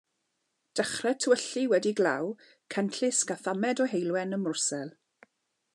Dechra t'wllu wedi glaw, cenllysg a thamed o heulwen ym Mrwsel.